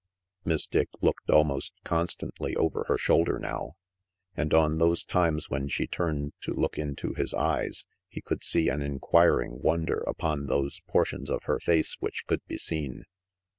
Miss Dick looked almost constantly over her shoulder now! And on those times when she turned to look into his eyes he could see an inquiring wonder upon those portions of her face which could be seen.